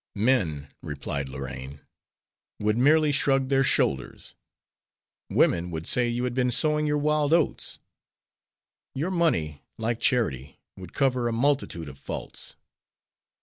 "Men," replied Lorraine, "would merely shrug their shoulders; women would say you had been sowing your wild oats. Your money, like charity, would cover a multitude of faults."